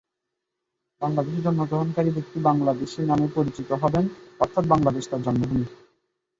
বাংলাদেশে জন্মগ্রহণকারী ব্যক্তি বাংলাদেশী নামে পরিচিত হবেন অর্থাৎ বাংলাদেশ তাঁর জন্মভূমি।